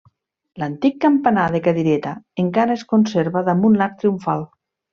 L'antic campanar de cadireta encara es conserva damunt l’arc triomfal.